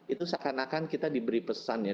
itu seakan akan kita diberi pesan ya